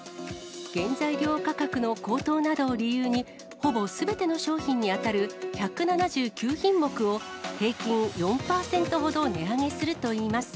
原材料価格の高騰などを理由に、ほぼすべての商品に当たる１７９品目を、平均４％ほど値上げするといいます。